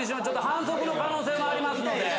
反則の可能性もありますので。